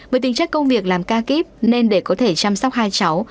với tính chất công việc làm ca kíp nên để có thể chăm sóc hai cháu